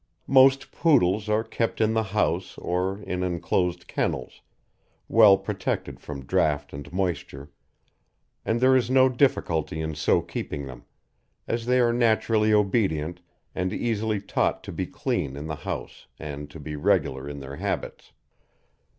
Most Poodles are kept in the house or in enclosed kennels, well protected from draught and moisture, and there is no difficulty in so keeping them, as they are naturally obedient and easily taught to be clean in the house and to be regular in their habits.